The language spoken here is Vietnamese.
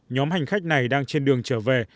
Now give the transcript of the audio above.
nhóm hành khách này đang trên đường trở về